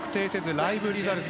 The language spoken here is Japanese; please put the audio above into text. ライブリザルト